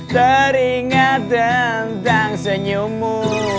teringat tentang senyummu